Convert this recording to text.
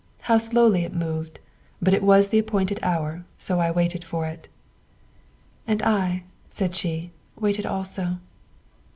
How slowly it moved! But it was the appointed hour, so I waited for it. '' "And I," she said, " waited also."